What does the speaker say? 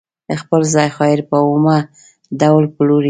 خپل ذخایر په اومه ډول پلوري.